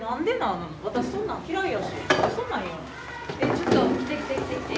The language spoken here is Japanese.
ちょっと来て来て来て来て。